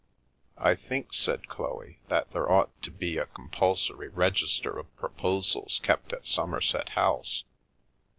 " I think/' said Chloe, " that there ought to be a com pulsory register of proposals kept at Somerset House.